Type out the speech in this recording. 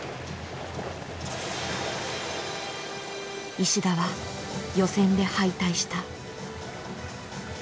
石田は予選で敗退した。